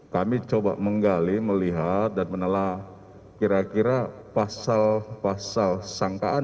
kami coba menggali melihat dan menelah kira kira pasal pasal sangkaan